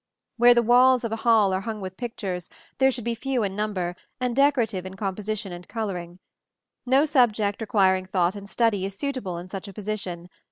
Where the walls of a hall are hung with pictures, these should be few in number, and decorative in composition and coloring. No subject requiring thought and study is suitable in such a position.